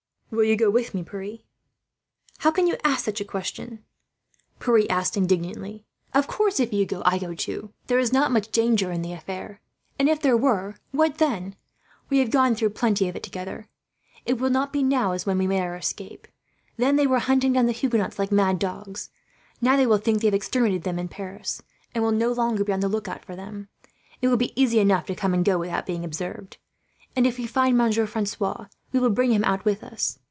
'" "Will you go with me, Pierre?" "How can you ask such a question?" Pierre said, indignantly. "Of course, if you go I go, too. There is not much danger in the affair; and if there were, what then? We have gone through plenty of it, together. It will not be, now, as when we made our escape. Then they were hunting down the Huguenots like mad dogs. Now they think they have exterminated them in Paris, and will no longer be on the lookout for them. It will be easy enough to come and go, without being observed; and if we find Monsieur Francois, we will bring him out with us.